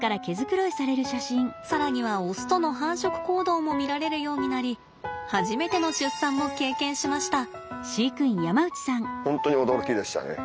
更にはオスとの繁殖行動も見られるようになり初めての出産も経験しました。